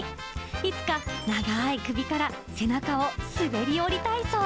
いつか、長い首から背中を滑り降りたいそう。